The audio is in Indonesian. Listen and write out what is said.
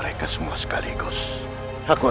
raka kemana hilangnya dia